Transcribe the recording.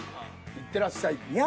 「いってらっしゃい」